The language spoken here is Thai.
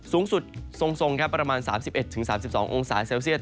สูงสุดทรงครับประมาณ๓๑๓๒องศาเซลเซียต